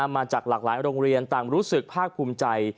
มาจากหลากหลายโรงเรียนต่างรู้สึกภาคภูมิใจ